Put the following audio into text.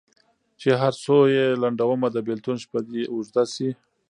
چي هر څو یې لنډومه د بېلتون شپه دي اوږده سي